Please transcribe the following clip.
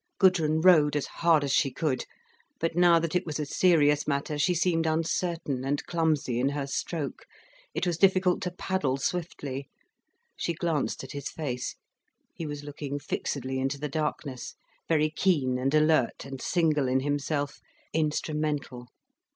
Gudrun rowed as hard as she could. But now that it was a serious matter, she seemed uncertain and clumsy in her stroke, it was difficult to paddle swiftly. She glanced at his face. He was looking fixedly into the darkness, very keen and alert and single in himself, instrumental.